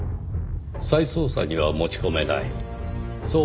再捜査には持ち込めないそう思った。